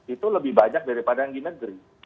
itu lebih banyak daripada yang di negeri